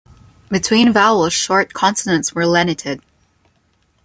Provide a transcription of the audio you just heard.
Between vowels short consonants were lenited.